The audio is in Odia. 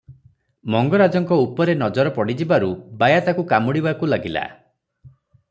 ମଙ୍ଗରାଜଙ୍କ ଉପରେ ନଜର ପଡ଼ିଯିବାରୁ ବାୟା ତାକୁ କାମୁଡ଼ିବାକୁ ଧାଇଁଲା ।